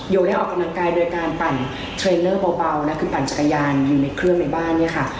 ได้ออกกำลังกายโดยการปั่นเทรลเลอร์เบานะคือปั่นจักรยานอยู่ในเครื่องในบ้านเนี่ยค่ะ